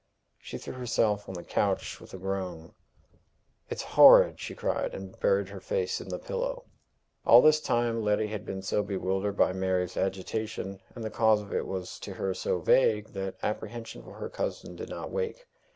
She threw herself on the couch with a groan. "It's horrid!" she cried, and buried her face in the pillow. All this time Letty had been so bewildered by Mary's agitation, and the cause of it was to her so vague, that apprehension for her cousin did not wake.